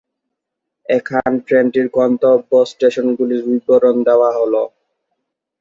এখান ট্রেনটির গন্তব্য স্টেশনগুলির বিবরণ দেওয়া হল-